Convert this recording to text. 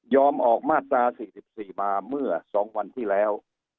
ออกมาตรา๔๔มาเมื่อ๒วันที่แล้ว